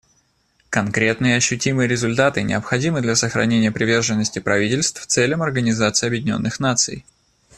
Конкретные и ощутимые результаты необходимы для сохранения приверженности правительств целям Организации Объединенных Наций.